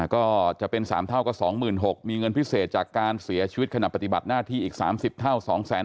ก็จะเป็น๓เท่าก็๒๖๐๐มีเงินพิเศษจากการเสียชีวิตขณะปฏิบัติหน้าที่อีก๓๐เท่า